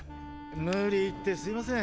無理言ってすいません。